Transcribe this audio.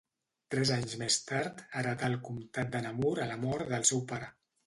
Tres anys més tard, heretà del comtat de Namur a la mort del seu pare.